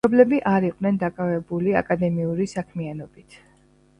მშობლები არ იყვნენ დაკავებული აკადემიური საქმიანობით.